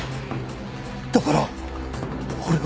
だから俺は。